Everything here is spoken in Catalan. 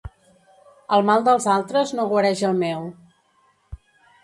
El mal dels altres no guareix el meu.